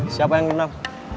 siapa yang dendam